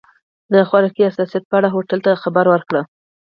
د خوراکي حساسیت په اړه هوټل ته خبر ورکړه.